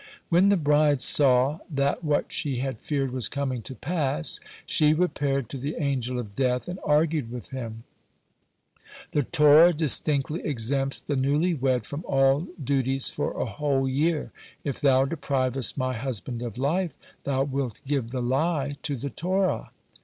When the bride saw that what she had feared was coming to pass, she repaired to the Angel of Death and argued with him: "The Torah distinctly exempts the newly wed from all duties for a whole year. If thou deprivest my husband of life, thou wilt give the lie to the Torah."